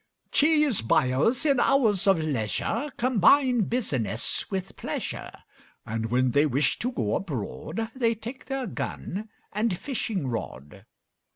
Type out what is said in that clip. Cheese buyers in hours of leisure Combine business with pleasure, And when they wish to go abroad They take their gun and fishing rod.